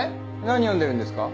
何読んでるんですか？